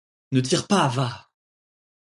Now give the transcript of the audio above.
Ne tire pas, va!